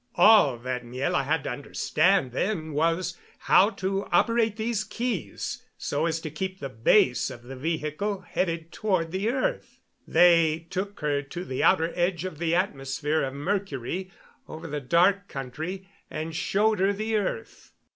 "All that Miela had to understand then was how to operate these keys so as to keep the base of the vehicle headed toward the earth. They took her to the outer edge of the atmosphere of Mercury over the Dark Country and showed her the earth.